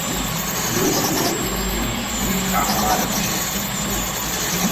Dois pilotos dirigindo um carro laranja